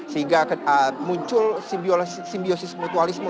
sehingga muncul simbiosis mutualisme